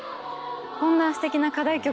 こんなすてきな課題曲